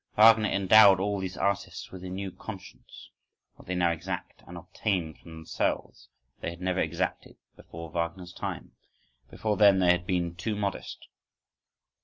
Wagner endowed all these artists with a new conscience: what they now exact and obtain from themselves, they had never exacted before Wagner's time—before then they had been too modest.